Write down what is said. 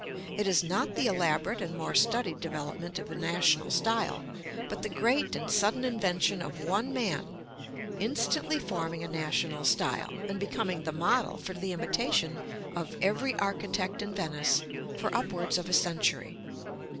It is not the elaborate and more studied developement of a national style, but the great and sudden invention of one man, instantly forming a national style, and becoming the model for the imitation of every architect in Venice for upwards of a century.